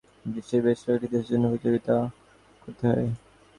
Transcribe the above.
তৈরি পোশাক খাতে বাংলাদেশকে বিশ্বের বেশ কয়েকটি দেশের সঙ্গে প্রতিযোগিতা করতে হয়।